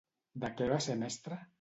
De què va ser mestra?